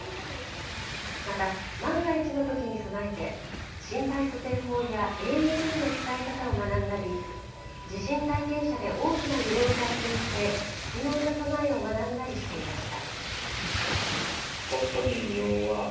また万が一のときに備えて、心肺蘇生法やＡＥＤの使い方を学んだり、地震体験車で大きな揺れを体験して、必要な備えを学んだりしていました。